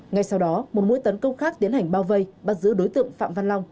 ngay sau đó một mũi tấn công khác tiến hành bao vây bắt giữ đối tượng phạm văn long